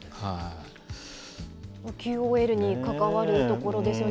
ＱＯＬに関わるところですよね。